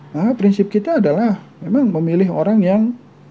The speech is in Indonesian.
maka prinsip kita adalah memang memilih orang yang